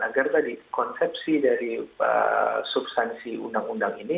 agar tadi konsepsi dari substansi undang undang ini